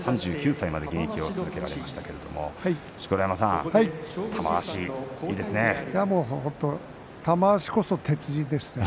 ３９歳まで現役を続けましたけれども玉鷲、いいですね。